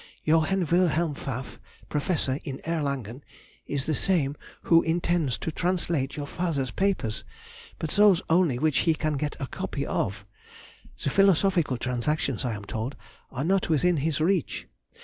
Johann Wilhelm Pfaff, professor, in Erlangen, is the same who intends to translate your father's papers, but those only which he can get a copy of. The Philosophical Transactions, I am told, are not within his reach.